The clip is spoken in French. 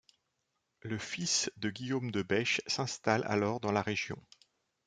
Le fils de Guillaume de Bèche s'installe alors dans la région.